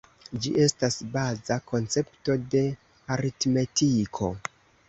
Ĝi estas baza koncepto de aritmetiko.